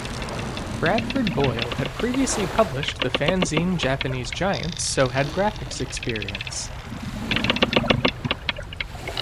Bradford Boyle had previously published the fanzine Japanese Giants so had graphics experience.